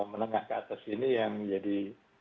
menengah ke atas ini yang jadi